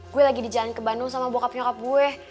gue lagi di jalan ke bandung sama bokap nyokap gue